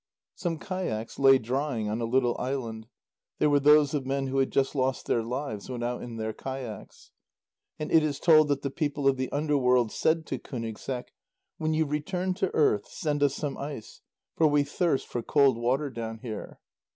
Some kayaks lay drying on a little island; they were those of men who had just lost their lives when out in their kayaks. And it is told that the people of the underworld said to Kúnigseq: "When you return to earth, send us some ice, for we thirst for cold water down here."